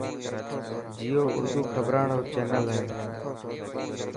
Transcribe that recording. جيو ارڌو کبران رو چينل هي.